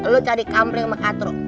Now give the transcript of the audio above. lu cari kampreng sama katro